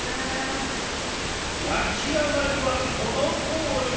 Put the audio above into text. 焼き上がりはこのとおり！